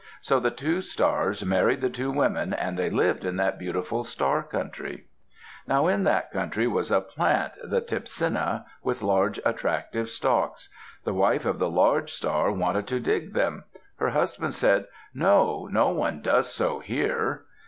So the two stars married the two women and they lived in that beautiful Star Country. Now in that country was a plant, the Teepsinna, with large, attractive stalks. The wife of the large star wanted to dig them. Her husband said, "No; no one does so here."